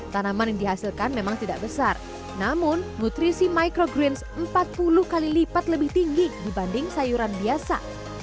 tanaman yang dihasilkan memang tidak besar namun nutrisi microgreens empat puluh kali lipat lebih tinggi dibanding sayuran biasa